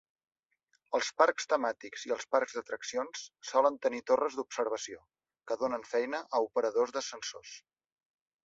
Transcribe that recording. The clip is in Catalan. Els parcs temàtics i els parcs d'atraccions solen tenir torres d'observació, que donen feina a operadors d'ascensors.